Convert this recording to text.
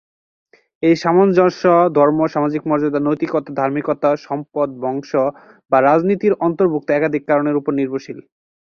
এই সামঞ্জস্য ধর্ম, সামাজিক মর্যাদা, নৈতিকতা, ধার্মিকতা, সম্পদ, বংশ বা রীতিনীতির অন্তর্ভুক্ত একাধিক কারণের উপর নির্ভরশীল।